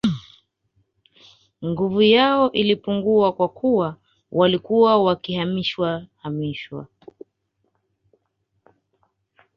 Nguvu yao ilipungua kwa kuwa walikuwa wakihamishwa hamishwa